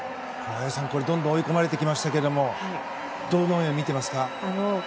綾さんこれどんどん追い込まれてきましたがどのように見ていますか？